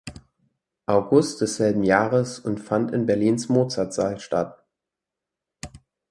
August desselben Jahres und fand in Berlins Mozartsaal statt.